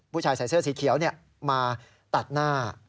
ผู้ชายใส่เสื้อสีเขียวมาตัดหน้า